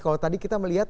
kalau tadi kita melihat